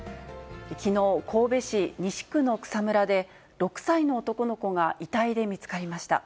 きのう、神戸市西区の草むらで、６歳の男の子が遺体で見つかりました。